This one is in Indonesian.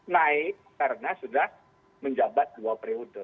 naik karena sudah menjabat dua periode